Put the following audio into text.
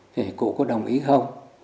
thì cụ có đồng ý không